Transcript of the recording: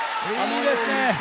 いいですね。